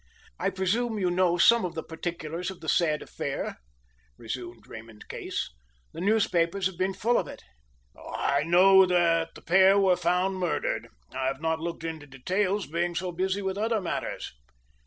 "I presume you know some of the particulars of the sad affair," resumed Raymond Case. "The newspapers have been full of it." "I know that the pair were found murdered. I have not looked into details, being so busy with other matters."